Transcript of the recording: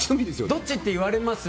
どっちって言われます？